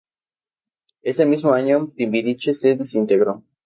Ese mismo año, Timbiriche se desintegró.